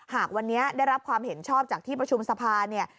หากวันนี้ได้รับความเห็นชอบจากที่ประชุมสภาเนี่ย